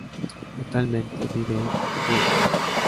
Actualmente vive en Burgos.